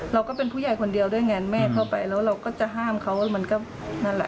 เราก็เป็นผู้ใหญ่คนเดียวด้วยไงแม่เข้าไปแล้วเราก็จะห้ามเขามันก็นั่นแหละ